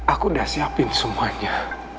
aku udah siapin semuanya